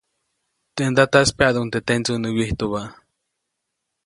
Teʼ ndataʼis pyaʼduʼuŋ teʼ tendsuŋ nä wyijtubä.